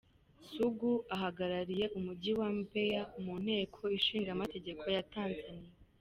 Sugu ahagarariye Umujyi wa Mbeya mu Nteko Ishinga Amategeko ya Tanzania.